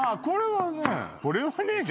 これはね。